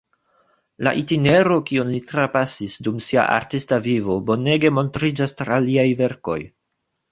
La itinero, kion li trapasis dum sia artista vivo, bonege montriĝas tra liaj verkoj.